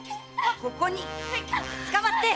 ここにつかまって！